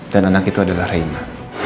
dan anak itu adalah reina